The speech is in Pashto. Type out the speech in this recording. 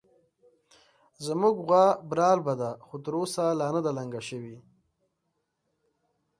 زموږ غوا برالبه ده، خو تر اوسه لا نه ده لنګه شوې